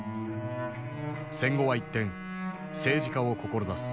戦後は一転政治家を志す。